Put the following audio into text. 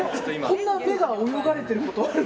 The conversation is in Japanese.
こんな目が泳がれることある？